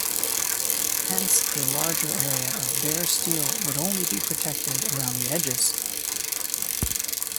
Hence, a larger area of bare steel would only be protected around the edges.